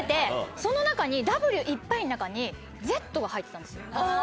その中に「ｗ」いっぱいの中に「ｚ」が入ってたんですよ。